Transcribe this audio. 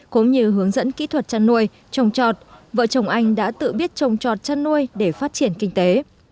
cũng như hướng dẫn kỹ thuật chăn nuôi trồng trọt vợ chồng anh đã tự biết trồng trọt chăn nuôi để phát triển kinh tế